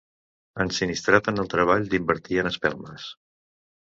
Ensinistrat en el treball d'invertir en espelmes.